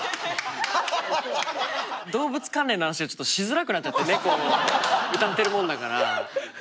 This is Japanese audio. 動物関連の話をちょっとしづらくなっちゃって「猫」を歌ってるもんだから。